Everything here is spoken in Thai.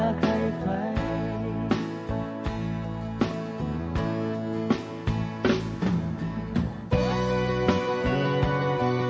เจ้าคือดาวดวงน้อยสิ้นลงแม้วันสิ้นลงแม้วันสิ้น